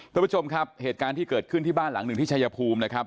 ทุกผู้ชมครับเหตุการณ์ที่เกิดขึ้นที่บ้านหลังหนึ่งที่ชายภูมินะครับ